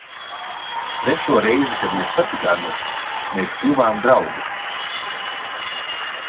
Trešo reizi, kad mēs satikāmies, mēs kļuvām draugi.